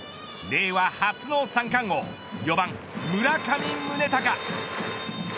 令和初の三冠王４番、村上宗隆。